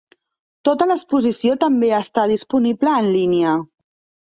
Tota l'exposició també està disponible en línia.